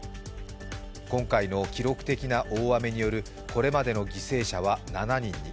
今回の記録的な大雨によるこれまでの犠牲者は７人に。